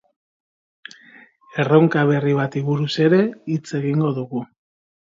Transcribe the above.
Erronka berri bati buruz ere hitz egingo dugu.